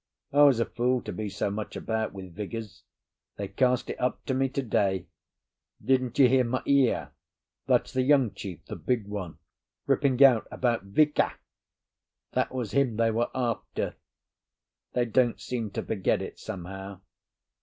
I was a fool to be so much about with Vigours. They cast it up to me to day. Didn't you hear Maea—that's the young chief, the big one—ripping out about 'Vika'? That was him they were after. They don't seem to forget it, somehow."